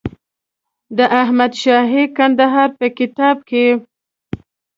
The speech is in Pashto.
د احمدشاهي کندهار په کتاب کې.